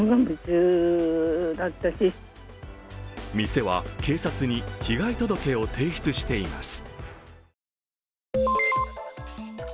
店は警察に被害届を提出しています。